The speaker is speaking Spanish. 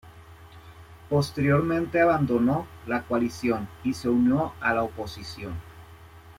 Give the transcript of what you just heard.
Posteriormente abandonó la coalición y se unió a la oposición.